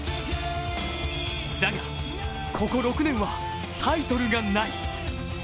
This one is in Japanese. だが、ここ６年はタイトルがない。